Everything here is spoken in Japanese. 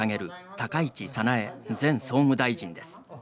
高市早苗前総務大臣です。